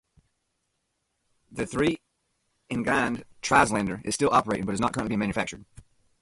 The three-engined Trislander is still operating but is not currently being manufactured.